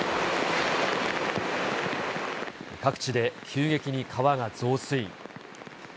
各地で急激に川が増水。